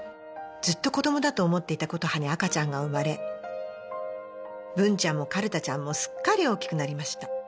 ずっと子供だと思っていたことはに赤ちゃんが生まれ文ちゃんもかるたちゃんもすっかり大きくなりました